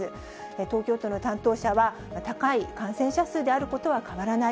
東京都の担当者は、高い感染者数であることは変わらない。